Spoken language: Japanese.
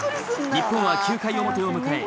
日本は９回表を迎え